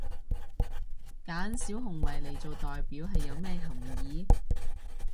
揀小熊維尼做代表係有咩含意？